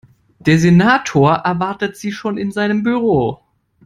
Der Senator erwartet Sie schon in seinem Büro.